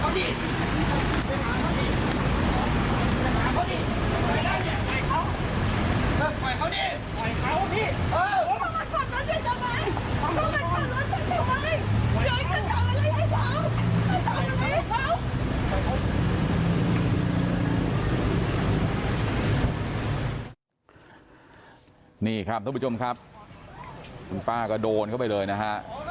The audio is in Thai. นี่ครับท่านผู้ชมครับคุณป้าก็โดนเข้าไปเลยนะฮะ